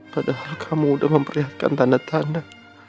padahal kamu sudah memperlihatkan tanda tanda